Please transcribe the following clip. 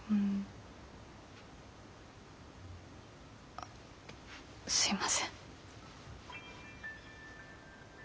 あっすいません。